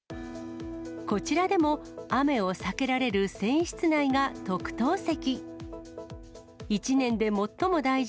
こちらでも、雨を避けられる船室内が特等席。